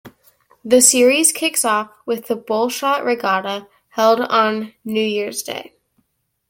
The series kicks off with the Bullshot Regatta, held on New Year's Day.